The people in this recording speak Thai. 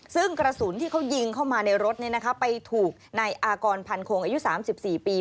ซึ่งกระสุนที่เขายิงเข้ามาในรถไปถูกนายอากรพันโคงอายุ๓๔ปี